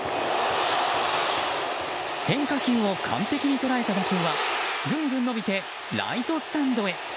変化球を完璧に捉えた打球はぐんぐん伸びてライトスタンドへ。